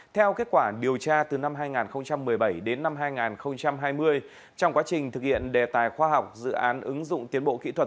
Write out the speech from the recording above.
theo kết quả điều tra từ năm hai nghìn một mươi bảy đến năm hai nghìn hai mươi trong quá trình thực hiện đề tài khoa học dự án ứng dụng tiến bộ kỹ thuật